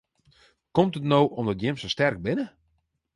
Komt it no omdat jim sa sterk binne?